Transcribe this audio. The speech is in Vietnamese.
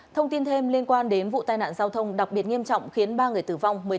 thông tin thêm liên quan đến vụ tai nạn giao thông đặc biệt nghiêm trọng khiến ba người tử vong